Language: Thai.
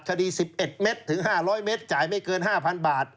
คดี๑๑เม็ดถึง๕๐๐เมตรจ่ายไม่เกิน๕๐๐๐บาท